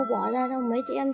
ngoài nhà siêu vẹo tối tăm